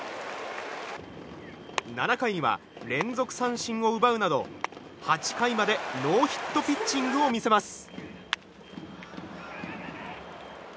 ７回には連続三振を奪うなど８回までノーヒットピッチングを見せます。